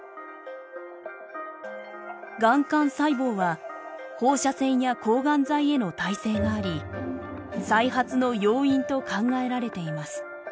がん幹細胞は放射線や抗がん剤への耐性があり再発の要因と考えられています。